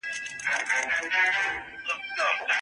که ښوونکی لارښونه وکړي، زده کوونکی نه سرګردانه کېږي.